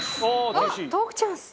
奈緒：トークチャンス！